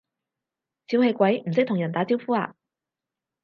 小氣鬼，唔識同人打招呼呀？